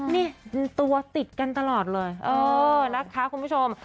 นี่ตัวติดกันตลอดเลยเออนะคะคุณผู้ชม